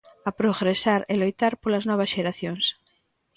A progresar e loitar polas novas xeracións.